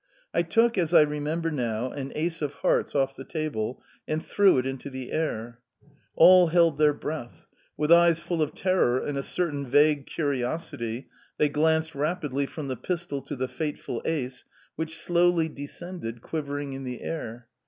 I took, as I remember now, an ace of hearts off the table and threw it into the air. All held their breath. With eyes full of terror and a certain vague curiosity they glanced rapidly from the pistol to the fateful ace, which slowly descended, quivering in the air.